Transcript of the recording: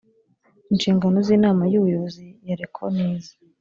inshingano z inama y’buyobozi ya reco ni izi